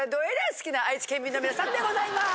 好きな愛知県民の皆さんでございます。